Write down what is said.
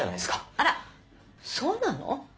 あらそうなの？